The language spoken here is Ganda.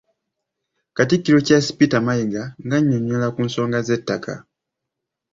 Katikkiro Charles Peter Mayiga nga annyonnyola ku nsonga z'ettaka.